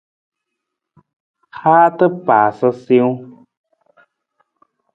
Haata paasa siwung.